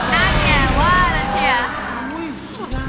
น่าแงว่านะเชีย